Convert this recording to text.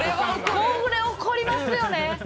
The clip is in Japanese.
これ怒りますよね。